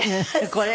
これ？